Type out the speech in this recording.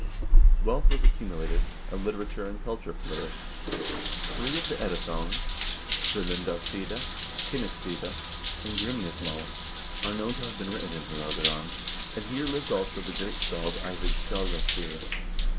Wealth was accumulated, and literature and culture flourished. Three of the Edda songs, "V0lundarkvioa," "Hymiskvioa," and "Grimnismal," are known to have been written in Haalogaland, and here lived also the great scald Eyvind Skaldaspiller.